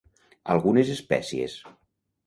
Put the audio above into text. Algunes espècies.